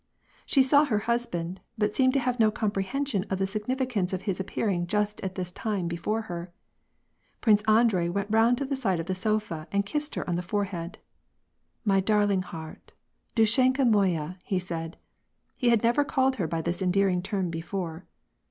She saw her husband, but seemed to have no comprehension of the significance of his appearing just at this time before her. Prince Andrei went round to the side of the sofa, and kissed her on the forehead. " My darling heart — dushenka moya^^ he said. He had never called her by this endearing term before.